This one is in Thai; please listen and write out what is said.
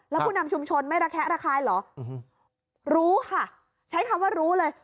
แล้วผู้นำชุมชนไม่ระแคะระคายเหรอรู้ค่ะใช้คำว่ารู้เลย